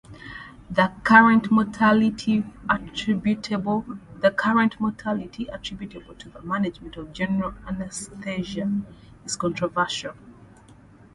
The current mortality attributable to the management of general anesthesia is controversial.